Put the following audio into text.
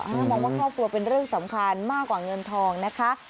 มองว่าครอบครัวเป็นเรื่องสำคัญมากกว่าเงินทองนะคะ